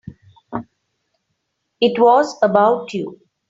It was about you.